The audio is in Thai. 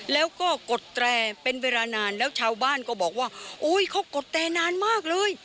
แล้วก็กดแตรเป็นเวลานานแล้วชาวบ้านก็บอกว่าโอ้ยเขากดแตรนานมากเลย